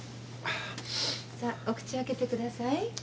さあお口開けてください。